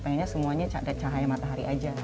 pokoknya semuanya ada cahaya matahari aja